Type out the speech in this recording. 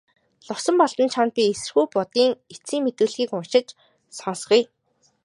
Лувсанбалдан чамд би эсэргүү Будын эцсийн мэдүүлгийг уншиж сонсгоё.